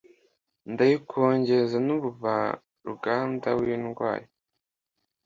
Ndayikongeza n’umuvaruganda w,indwanyi